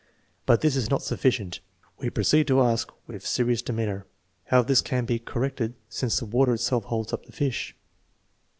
But this is not suf ficient. We proceed to ask, with serious demeanor: " How this can be correct, since the water itself holds up the fish?